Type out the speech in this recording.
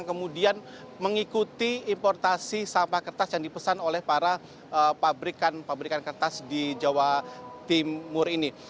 kemudian mengikuti importasi sampah kertas yang dipesan oleh para pabrikan pabrikan kertas di jawa timur ini